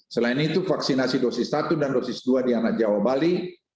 selain itu vaksinasi dosis satu dan dosis dua di anak jawa bali